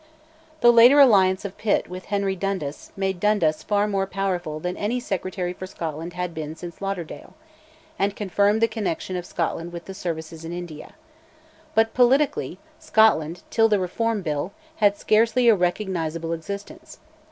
The later alliance of Pitt with Henry Dundas made Dundas far more powerful than any Secretary for Scotland had been since Lauderdale, and confirmed the connection of Scotland with the services in India. But, politically, Scotland, till the Reform Bill, had scarcely a recognisable existence.